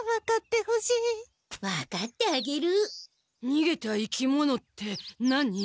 にげた生き物って何？